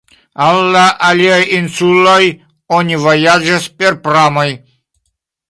Al la aliaj insuloj oni vojaĝas per pramoj.